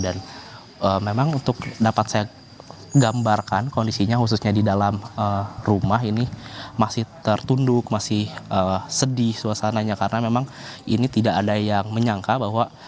dan memang untuk dapat saya gambarkan kondisinya khususnya di dalam rumah ini masih tertunduk masih sedih suasananya karena memang ini tidak ada yang menyangka bahwa